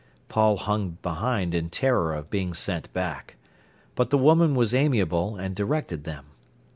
Paul hung behind in terror of being sent back. But the woman was amiable, and directed them.